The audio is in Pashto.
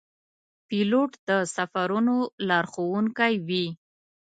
پیلوټ د سفرونو لارښوونکی وي.